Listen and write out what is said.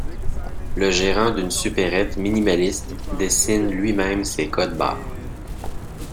Le gérant d’une supérette minimaliste dessine lui-même ses codes-barres.